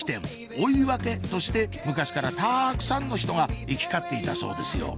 追分として昔からたくさんの人が行き交っていたそうですよ